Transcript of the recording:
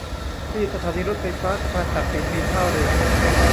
ที่สถานีรถไฟฟ้าสะพานตากสินมีท่าเรือ